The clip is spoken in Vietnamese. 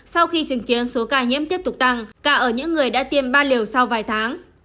sau khi chứng kiến số ca nhiễm tiếp tục tăng cả ở những người đã tiêm ba liều sau vài tháng